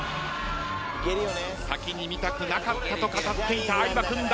「先に見たくなかった」と語っていた相葉君。